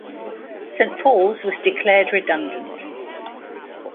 Saint Paul's was declared redundant.